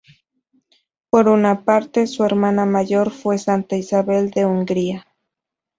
Por una parte, su hermana mayor fue Santa Isabel de Hungría.